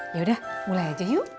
yaudah mulai aja yuk